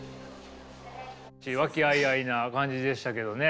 和気あいあいな感じでしたけどね。